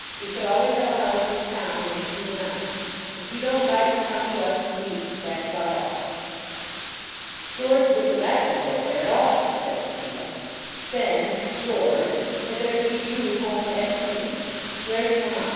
We shall always have a house in town, and you will not. If you don't like to come to us, you needn't. That's about all." "George wouldn't let me go there at all," said Sophia. "Then George had better keep you at home at Toodlam. Where's mamma?